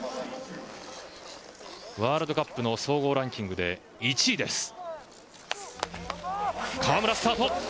ワールドカップの総合ランキングで１位です。